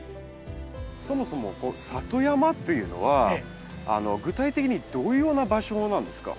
そもそもこの里山っていうのは具体的にどういうような場所なんですか？